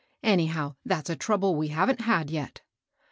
Anyhow that's a trouble we haven't had yet."